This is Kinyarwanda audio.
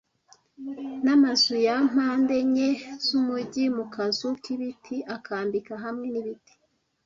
Namazu ya mpande enye z'umujyi - mu kazu k'ibiti, akambika hamwe n'ibiti,